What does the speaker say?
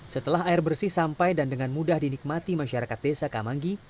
setelah air bersih sampai dan dengan mudah dinikmati masyarakat desa kamanggi